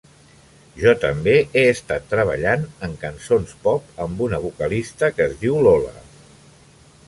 Jo també he estat treballant en cançons pop amb una vocalista que es diu Lola.